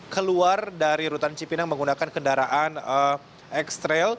keluar dari rutan cipinang menggunakan kendaraan x trail